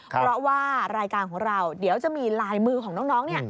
เพราะว่ารายการของเราเดี๋ยวจะมีลายมือของน้องเนี่ย